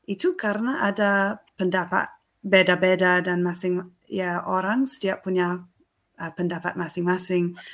itu karena ada pendapat beda beda dan masing masing orang setiap punya pendapat masing masing